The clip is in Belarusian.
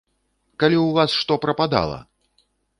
Калі ў вас што прападала!